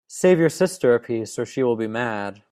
Save you sister a piece, or she will be mad.